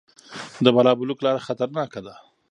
د بالابلوک لاره خطرناکه ده